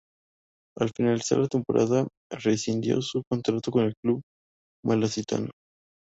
Al finalizar la temporada, rescindió su contrato con el club malacitano.